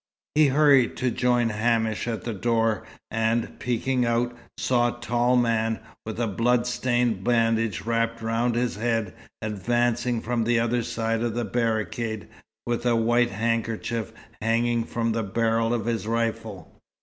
He hurried to join Hamish at the door, and, peeping out, saw a tall man, with a bloodstained bandage wrapped round his head, advancing from the other side of the barricade, with a white handkerchief hanging from the barrel of his rifle.